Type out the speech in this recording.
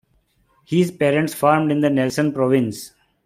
His parents farmed in the Nelson province.